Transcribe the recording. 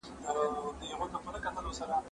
ما چي ول احمد راغی باره زه ولاړم